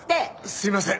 すいません。